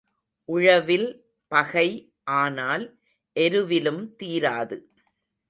உழவில் பகை ஆனால் எருவிலும் தீராது.